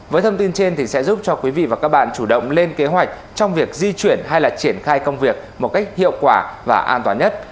với thông tin trên sẽ giúp cho quý vị và các bạn chủ động lên kế hoạch trong việc di chuyển hay triển khai công việc một cách hiệu quả và an toàn nhất